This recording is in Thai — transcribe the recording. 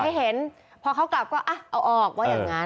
ก็คือตั้งใจติดให้เห็นพอเขากลับก็เอาออกว่าอย่างนั้น